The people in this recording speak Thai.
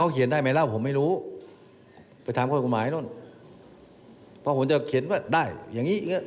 อย่าเพิ่งมาพูดตอนนี้ผมไม่ตอบตรงที่นั้น